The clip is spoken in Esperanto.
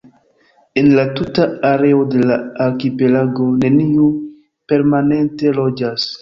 En la tuta areo de la arkipelago neniu permanente loĝas.